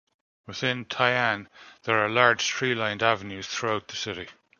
Within Tai'an there are large tree lined avenues throughout the city.